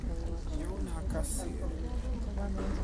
Jaunā kasiere.